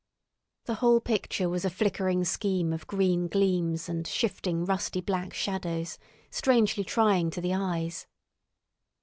The whole picture was a flickering scheme of green gleams and shifting rusty black shadows, strangely trying to the eyes.